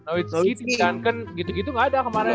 no whiskey tim duncan gitu gitu gak ada kemaren